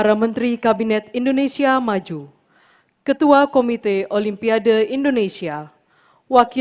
raya kebangsaan indonesia raya